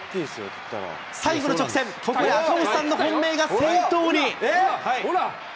最後の直線、ここで赤星さんの本命が先頭に。